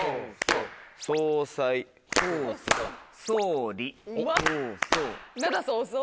そうそう。